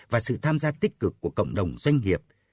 và sự tham gia tích cực của cộng đồng doanh nghiệp